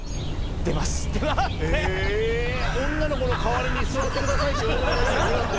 「女の子の代わりに座ってください」って言われてるだけでしょ？だって。